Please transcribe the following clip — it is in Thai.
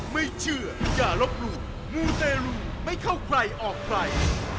ไม่เชื่ออย่าลบหลู่มูเตรลูไม่เข้าใครออกใคร